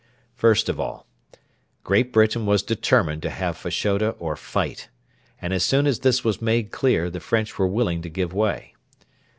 First of all, Great Britain was determined to have Fashoda or fight; and as soon as this was made clear, the French were willing to give way.